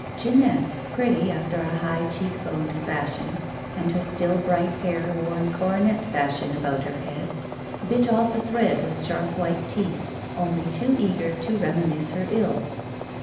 Jeanette, pretty after a high cheek boned fashion and her still bright hair worn coronet fashion about her head, bit off a thread with sharp white teeth, only too eager to reminisce her ills.